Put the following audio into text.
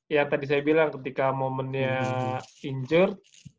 ya tadi saya bilang ketika momennya injur